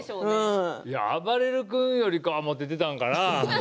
あばれる君よりかはモテてたのかな。